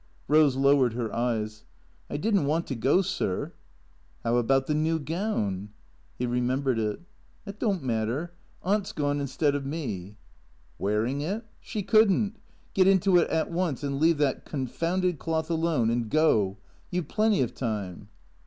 Eose lowered her eyes. " I did n't want to go, sir." " How about the new gown ?" (He remembered it.) " That don't matter. Aunt 's gone instead of me." " Wearing it ? She could n't. Get into it at once, and leave that confounded cloth alone and go. You've plenty of time."